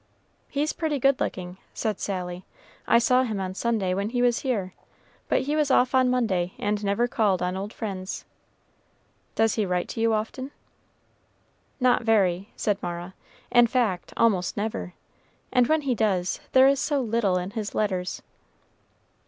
"He's pretty good looking," said Sally. "I saw him on Sunday when he was here, but he was off on Monday, and never called on old friends. Does he write to you often?" "Not very," said Mara; "in fact, almost never; and when he does, there is so little in his letters."